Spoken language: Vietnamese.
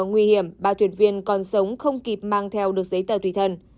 nguy hiểm ba thuyền viên còn sống không kịp mang theo được giấy tờ tùy thân